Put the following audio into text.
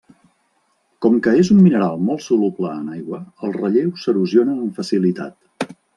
Com que és un mineral molt soluble en aigua, el relleu s'erosiona amb facilitat.